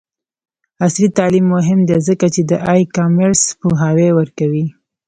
عصري تعلیم مهم دی ځکه چې د ای کامرس پوهاوی ورکوي.